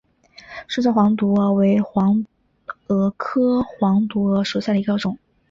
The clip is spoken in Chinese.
双线黄毒蛾为毒蛾科黄毒蛾属下的一个种。